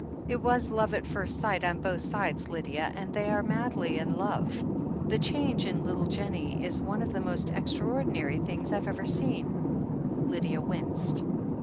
"It was love at first sight on both sides, Lydia — and they are madly in love. The change in little Jennie is THE HEEL OF ACHILLES 409 one of the most extraordinary things I have ever seen/' Lydia winced.